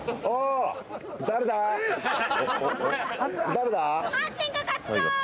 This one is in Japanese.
誰だ？